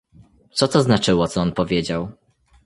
Co to znaczyło co on powiedział?